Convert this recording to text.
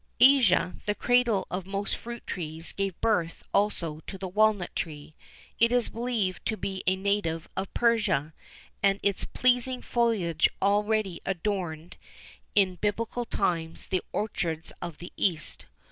Asia, the cradle of most fruit trees, gave birth also to the walnut tree. It is believed to be a native of Persia,[XIV 10] and its pleasing foliage already adorned, in Biblical times, the orchards of the east.